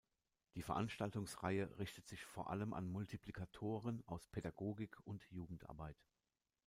Die Veranstaltungsreihe richtet sich vor allem an Multiplikatoren aus Pädagogik und Jugendarbeit.